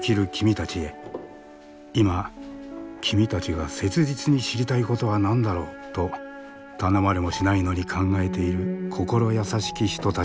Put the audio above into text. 今君たちが切実に知りたいことは何だろう？と頼まれもしないのに考えている心優しき人たちがいる。